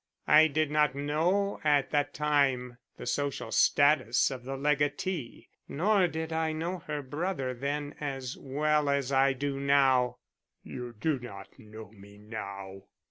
"I didn't know at that time the social status of the legatee; nor did I know her brother then as well as I do now." "You do not know me now."